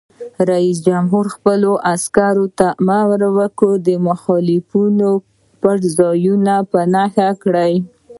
رئیس جمهور خپلو عسکرو ته امر وکړ؛ د مخالفینو پټنځایونه په نښه کړئ!